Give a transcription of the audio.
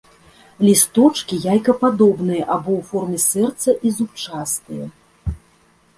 Лісточкі яйкападобныя або ў форме сэрца і зубчастыя.